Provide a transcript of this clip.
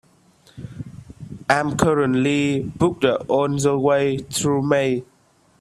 I'm currently booked all the way through May.